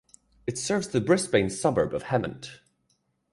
It serves the Brisbane suburb of Hemmant.